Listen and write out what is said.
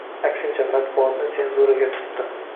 aksincha, matbuotni senzuraga tutdi.